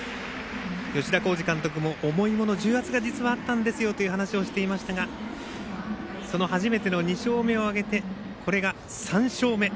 吉田洸二監督も重いもの重圧が実はあったんですよという話をしていましたがその初めての２勝目を挙げてこれが３勝目。